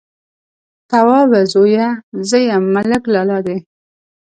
_توابه زويه! زه يم، ملک لالا دې.